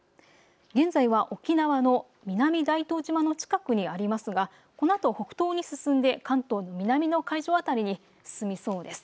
現在は沖縄の南大東島の近くにありますがこのあと北東に進んで関東の南の海上辺りに進みそうです。